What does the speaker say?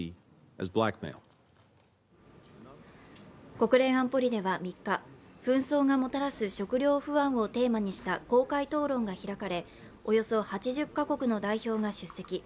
国連安保理では３日、紛争がもたらす食料不安をテーマにした公開討論が開かれおよそ８０か国の代表が出席。